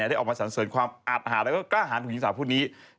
ได้ออกมาสรรเสริมความอาดหาแล้วก็กล้าหารของหญิงสาวผู้นี้